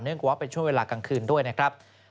ว่าเป็นช่วงเวลากลางคืนด้วยนะครับ